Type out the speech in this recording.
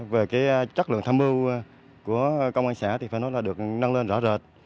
về cái chất lượng tham mưu của công an xã thì phải nói là được nâng lên rõ rệt